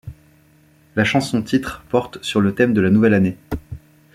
La chanson-titre porte sur le thème de la nouvelle année.